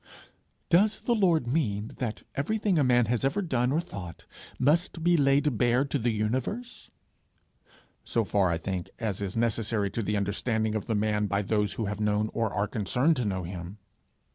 Does the Lord mean that everything a man has ever done or thought must be laid bare to the universe? So far, I think, as is necessary to the understanding of the man by those who have known, or are concerned to know him.